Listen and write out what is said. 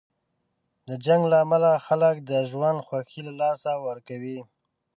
د جنګ له امله خلک د ژوند خوښۍ له لاسه ورکوي.